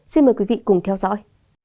xin mời quý vị cùng theo dõi